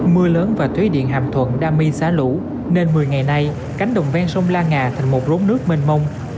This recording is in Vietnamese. mưa lớn và thủy điện hàm thuận đam mê xá lũ nên một mươi ngày nay cánh đồng ven sông la ngà thành một rốn nước mênh mông